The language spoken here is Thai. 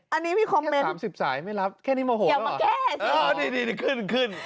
อันนี้มีคอมเมนต์อย่ามาแก้สินี่ขึ้น